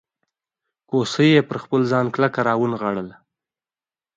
کوسۍ یې پر خپل ځان کلکه راونغاړله.